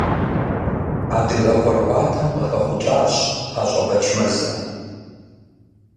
Адыгэ ӀуэрыӀуатэм къыхэхъукӀащ ПащӀэ Бэчмырзэ.